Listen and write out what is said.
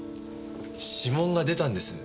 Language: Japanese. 指紋が出たんです。